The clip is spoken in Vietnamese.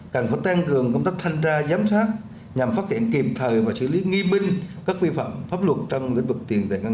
cần phải tăng cường công tác thanh tra giám sát nhằm phát hiện kịp thời và xử lý nghiêm binh các vi phạm pháp luật trong lĩnh vực tiền tệ ngân hàng